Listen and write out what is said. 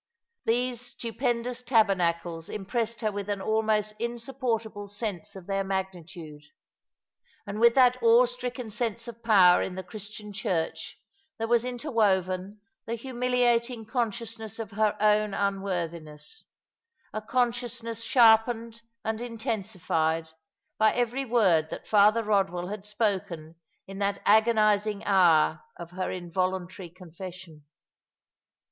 These stupendous tabernacles impressed her with an almost insupportable sense of their magnitude. And with that awestricken sense of power in the Christian Church there was interwoven the humiliating conscious ness of her own unworthiness ; a consciousness sharpened and intensified by every word that Father Eodwell had spoken in that agonizing hour of her involuntary con fession.